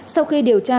sau khi điều tra